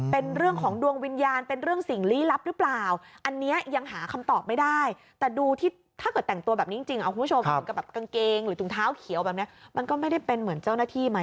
เป็นเรื่องของดวงวิญญาณเป็นเรื่องสิ่งลี้ลับหรือเปล่า